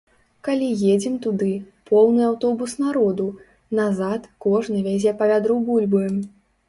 Калі едзем туды, поўны аўтобус народу, назад кожны вязе па вядру бульбы.